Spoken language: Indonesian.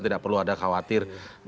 tidak perlu ada khawatir